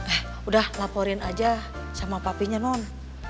eh udah laporin aja sama papinya non